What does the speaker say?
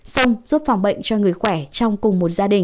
xong giúp phòng bệnh cho người khỏe trong cùng một gia đình